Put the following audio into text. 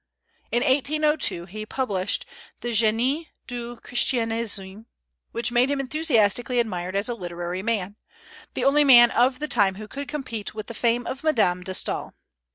In 1802 he published the "Génie du Christianisme," which made him enthusiastically admired as a literary man, the only man of the time who could compete with the fame of Madame de Staël.